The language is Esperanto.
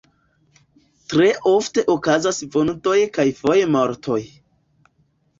Tre ofte okazas vundoj kaj foje mortoj.